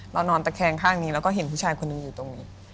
นอนตะแคงข้างนี้แล้วก็เห็นผู้ชายคนหนึ่งอยู่ตรงนี้